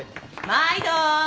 まいど！